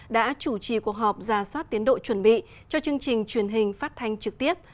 đã chủ trì cuộc họp ra soát tiến độ chuẩn bị cho chương trình truyền hình phát thanh trực tiếp